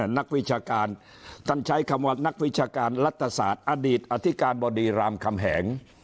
นักวิชาการท่านใช้คำว่านักวิชาการรัฐศาสตร์อดีตอธิการบดีรามคำแหง